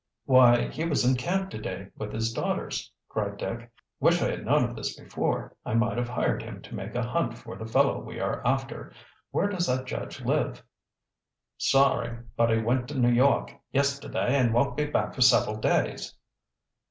"Why, he was in camp to day, with his daughters," cried Dick. "Wish I had known of this before. I might have hired him to make a hunt for the fellow we are after. Where does that judge live?" "Sorry, but he went to New York yesterday and won't be back for several days."